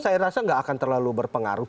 saya rasa nggak akan terlalu berpengaruh